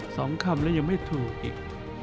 สองคำแล้วยังไม่ถูกอีก